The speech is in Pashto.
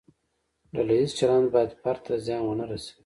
ډله ییز چلند باید فرد ته زیان ونه رسوي.